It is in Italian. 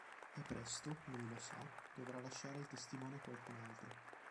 E presto, lui lo sa, dovrà lasciare il testimone a qualcun altro.